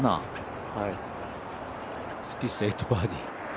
スピース、８バーディー。